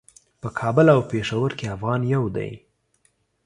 په کابل او پیښور کې افغان یو دی.